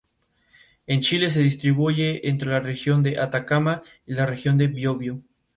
Se extinguió en algún momento de la primera mitad del siglo.